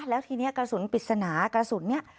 แล้วทีนี้กระสุนปริศนากระสุนนี้